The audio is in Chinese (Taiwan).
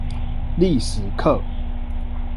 歷史課